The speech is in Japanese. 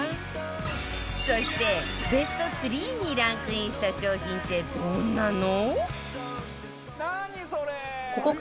そしてベスト３にランクインした商品ってどんなの？